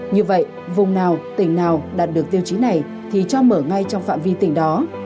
như vậy vùng nào tỉnh nào đạt được tiêu chí này thì cho mở ngay trong phạm vi tỉnh đó